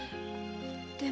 でも。